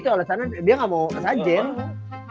itu alesannya dia gak mau sesajen